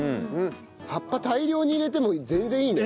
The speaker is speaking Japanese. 葉っぱ大量に入れても全然いいね。